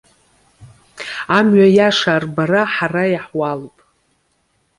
Амҩа иаша арбара ҳара иаҳуалуп.